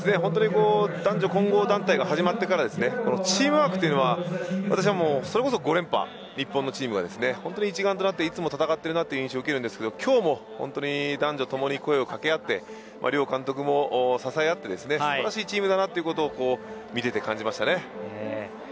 男女混合団体が始まってからチームワークというのはそれこそ５連覇で日本のチームが一丸となって戦っている印象を受けますが今日も男女ともに声を掛け合って両監督も支えあって素晴らしいチームだということを見ていて感じました。